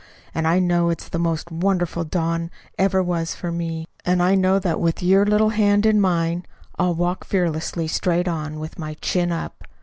And I know it's the most wonderful dawn ever was for me. And I know that with your little hand in mine I'll walk fearlessly straight on, with my chin up.